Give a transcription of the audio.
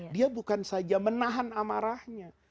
dia bukan saja menahan amarahnya